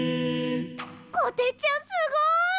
こてっちゃんすごい！